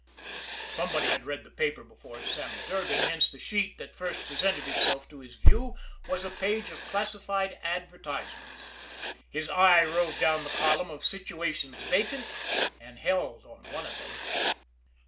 Somebody had read the paper before Sammy Durgan, hence the sheet that first presented itself to his view was a page of classified advertisements. His eye roved down the column of "Situations Vacant" and held on one of them.